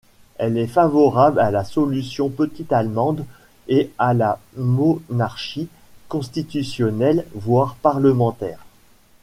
Elle est favorable à la solution petite-allemande et à la monarchie constitutionnelle voire parlementaire.